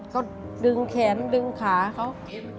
ก็ดึงแขนดึงขาเขา